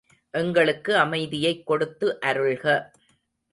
எங்களுக்கு அமைதியைக் கொடுத்து அருள்க.